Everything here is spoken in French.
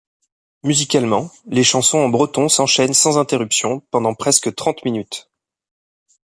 Musicalement, les chansons en breton s'enchaînent sans interruption pendant presque trente minutes.